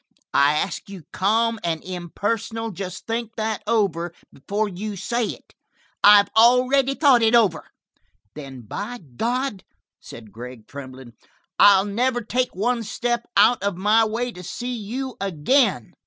"I ask you calm and impersonal, just think that over before you say it." "I've already thought it over." "Then, by God," said Gregg, trembling, "I'll never take one step out of my way to see you again."